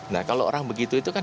nah kalau orang begitu itu kan